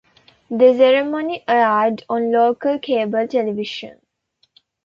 The ceremony aired on local cable television.